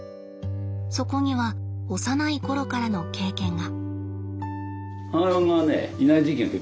そこには幼い頃からの経験が。